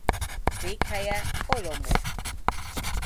Székhelye Olomouc.